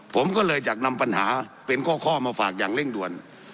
ผมก็เลยอยากนำปัญหาเป็นข้อมาฝากอย่างเร่งด่วน